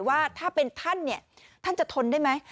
ว่าถ้าเป็นท่านเนี่ยท่านจะทนได้ไหม